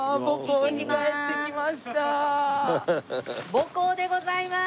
母校でございまーす。